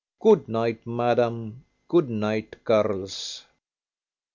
Good night, madam. Good night, girls."